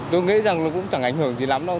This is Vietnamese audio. tôi nghĩ rằng nó cũng chẳng ảnh hưởng gì lắm đâu